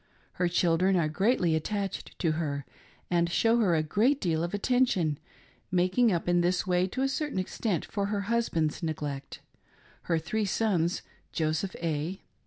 Her children are greatly attached to her, and show her a great deal of attention, making up in this way, to a certain extent, for her husband's neglect ; her three sons, Joseph A.